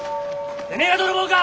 てめえが泥棒か！